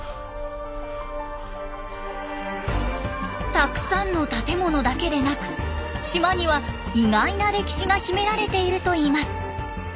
たくさんの建物だけでなく島には意外な歴史が秘められているといいます。